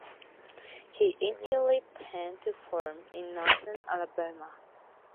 He initially planned to farm in Northern Alabama.